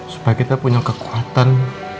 supaya kita punya kekuatan